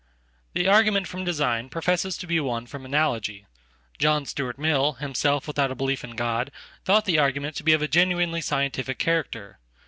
The argument from design professes to be one from analogy. John Stuart Mill, himself without a belief in God, thought theargument to be of a genuinely scientific character.